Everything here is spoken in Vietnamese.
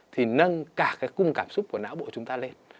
thì nâng cả cái cung cảm xúc của não bộ chúng ta lên